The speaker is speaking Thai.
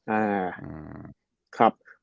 อ่าครับ